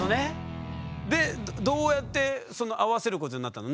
でどうやって会わせることになったの？